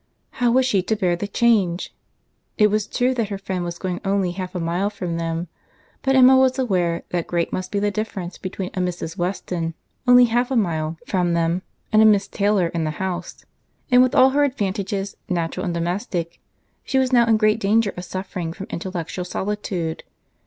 How was she to bear the change?—It was true that her friend was going only half a mile from them; but Emma was aware that great must be the difference between a Mrs. Weston, only half a mile from them, and a Miss Taylor in the house; and with all her advantages, natural and domestic, she was now in great danger of suffering from intellectual solitude.